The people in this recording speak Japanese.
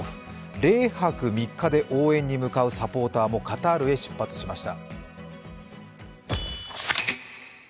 ０泊３日で応援に向かうサポーターもカタールへ出発しました。